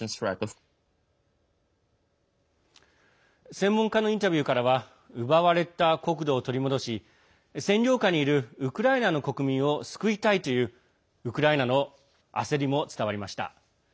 専門家のインタビューからは奪われた国土を取り戻し占領下にいるウクライナの国民を救いたいというウクライナの焦りも伝わりました。